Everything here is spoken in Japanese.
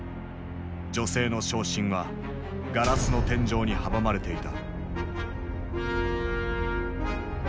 女性の昇進はガラスの天井に阻まれていた。